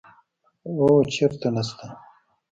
او چېرته نسته.